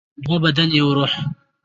دوه بدن یو روح.